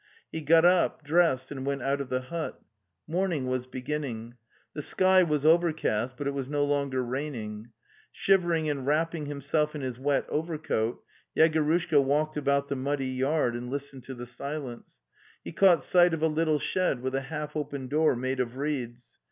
He got up, dressed, and went out of the hut. Morning was beginning. The sky was overcast, but it was no longer raining. Shivering and wrapping himself in his wet overcoat, Yegorushka walked about the muddy yard and listened to the silence; he caught sight of a little shed with a half open door made of reeds.